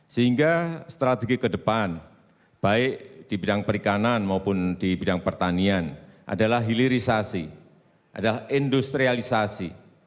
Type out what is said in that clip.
sehingga strategi ke depan baik di bidang perikanan maupun di bidang pertanian adalah hilirisasi adalah industrialisasi